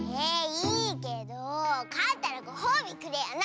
いいけどかったらごほうびくれよな！